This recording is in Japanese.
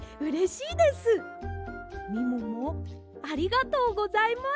みももありがとうございます！